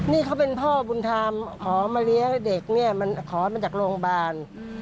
นี่เขาเป็นพ่อบุญธรรมมันมาเลี้ยวเด็กขอมาจากโรงบาล